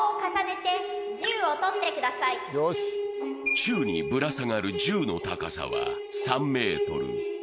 宙にぶら下がる銃の高さは３ｍ。